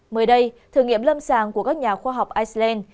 mới đây thử nghiệm lâm sàng của các nhà khoa học iceland